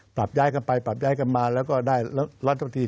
ปรับย้ายกันไปปรับย้ายกันมาแล้วก็ได้รัฐพิธีชุด